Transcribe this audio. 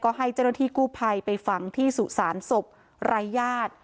ก็ให้เจ้าหน้าที่กู้ภัยไปฝังที่สุสานศพไร้ญาติ